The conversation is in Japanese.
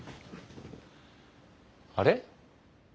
あれ？